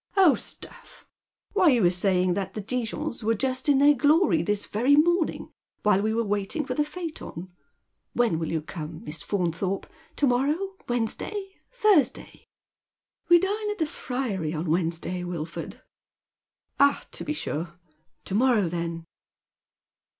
" Oil, stuff 1 why, you were saying that the Dijons were just in their glory this very morning, while we were waiting for the priacton. AV hen will you come, Miss Fauntliorpe ? To morrow •—Wednesday — Thursdny ?"*' We dine at the Friary on Wednesday, Wilford." " Ah, to be sure. To morrow, then